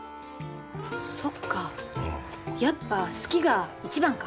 そっかやっぱ好きが一番か。